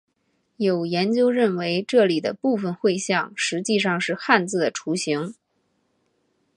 有研究认为这里的部分绘像实际上是汉字的雏形。